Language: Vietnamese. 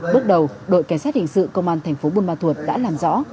bước đầu đội cảnh sát hình sự công an thành phố buôn ma thuột đã làm rõ